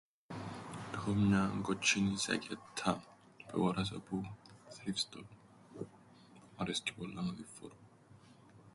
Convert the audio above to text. "Έχω μια κότσ̆ινην ζακέτταν που εγόρασα που ""θριφτ στορ"". Αρέσκει μου πολλά να την φορώ."